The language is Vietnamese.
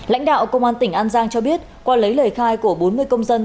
lãnh đạo công an tỉnh an giang cho biết qua lấy lời khai của bốn mươi công dân